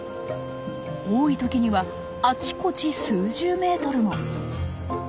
多い時にはあちこち数十メートルも。